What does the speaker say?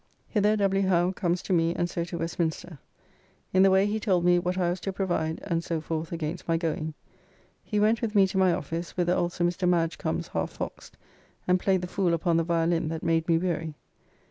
Hither W. Howe comes to me and so to Westminster. In the way he told me, what I was to provide and so forth against my going. He went with me to my office, whither also Mr. Madge comes half foxed and played the fool upon the violin that made me weary.